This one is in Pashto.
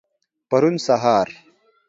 پرون سهار.